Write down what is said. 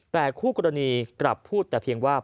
แต่คู่กรณีกลับพูดแต่เพียงว่า